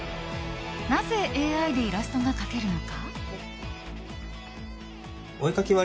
なぜＡＩでイラストが描けるのか。